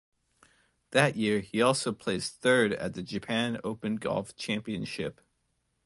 That year he also placed third at the Japan Open Golf Championship.